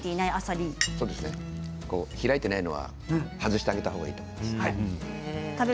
開いていないのは外してあげた方がいいと思います。